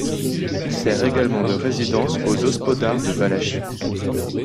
Il sert également de résidence aux hospodars de Valachie.